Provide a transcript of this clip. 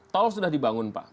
tol sudah dibangun pak